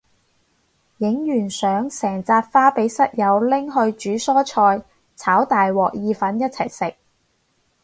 影完相成紮花俾室友拎去煮蔬菜炒大鑊意粉一齊食